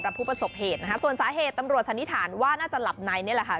ผู้ประสบเหตุนะคะส่วนสาเหตุตำรวจสันนิษฐานว่าน่าจะหลับในนี่แหละค่ะ